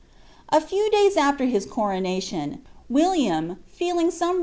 A few (bys afler his cnronalton, Williiun, fecting some rea!